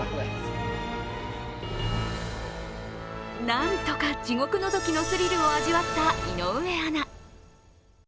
なんとか地獄のぞきのスリルを味わった井上アナ。